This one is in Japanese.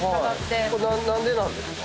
これ何でなんですか？